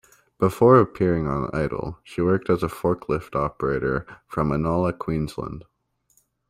Before appearing on "Idol", she worked as a forklift operator from Inala, Queensland.